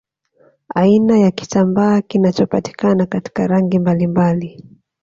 Aina ya kitambaa kinachopatikana katika rangi mbalimbali